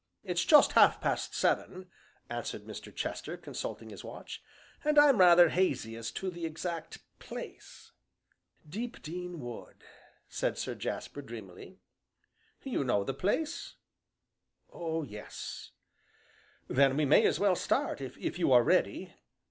"It's just half past seven," answered Mr. Chester, consulting his watch, "and I'm rather hazy as to the exact place." "Deepdene Wood," said Sir Jasper dreamily. "You know the place?" "Oh, yes!" "Then we may as well start, if you are ready?"